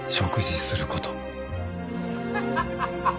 ハハハハハ。